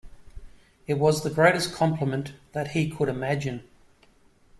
It was the greatest compliment that he could imagine.